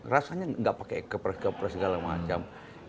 rasanya nggak pakai kepres kepres segala macam